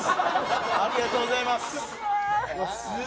ありがとうございます！